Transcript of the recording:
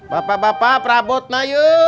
bapak bapak prabut nayu